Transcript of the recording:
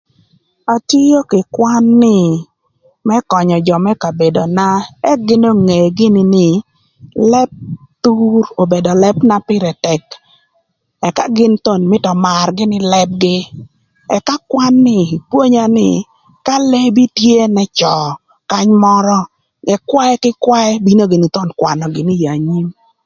Atio kï kwan ni më könyö jö më kabedona ëk gïn onge gïnï nï Lëb Thur obedo lëb na pïrë tëk ëka gïn thon mïtö ömar gïnï lëbgï ëka kwan ni pwonya nï ka lebi tye n'ëcö kany mörö ëkwaë k'ëkwaë bino gïnï thon kwanö ï anyim.